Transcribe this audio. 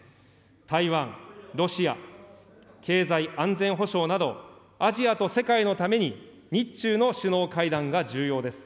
台湾、ロシア、経済安全保障など、アジアと世界のために、日中の首脳会談が重要です。